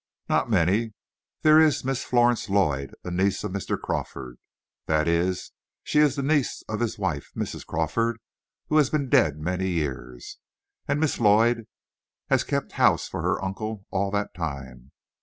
"Not many. There is Miss Florence Lloyd, a niece of Mr. Crawford. That is, she is the niece of his wife. Mrs. Crawford has been dead many years, and Miss Lloyd has kept house for her uncle all that time.